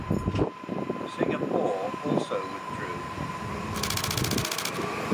Singapore also withdrew.